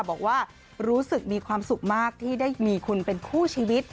บอกว่ารู้สึกมีความสุขมากที่ได้มีคุณเป็นคู่ชีวิต